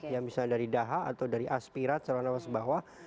yang misalnya dari daha atau dari aspirat saluran nafas bawah